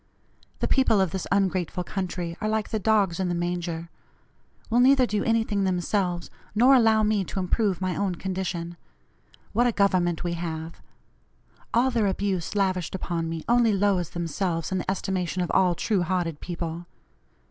The people of this ungrateful country are like the 'dogs in the manger;' will neither do anything themselves, nor allow me to improve my own condition. What a Government we have! All their abuse lavished upon me only lowers themselves in the estimation of all true hearted people.